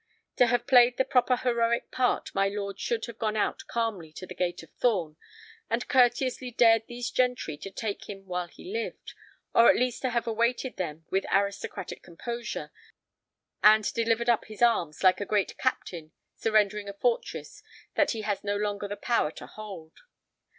To have played the proper heroic part my lord should have gone out calmly to the gate of Thorn and courteously dared these gentry to take him while he lived, or at least to have awaited them with aristocratic composure and delivered up his arms like a great captain surrendering a fortress that he has no longer the power to hold.